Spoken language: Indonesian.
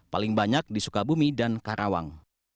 paling banyak di sukabumi dan karawang